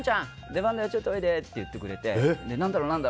出番だよ、ちょっとおいでって言ってくれて。